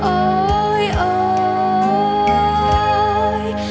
โอ๊ยโอ่